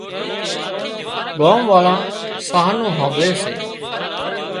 ڳام واۯان ساهَه نُون هانمڀۯي سي